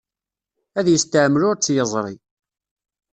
Ad yesteɛmel ur tt-yeẓri.